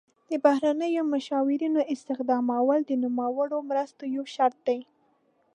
د بهرنیو مشاورینو استخدامول د نوموړو مرستو یو شرط دی.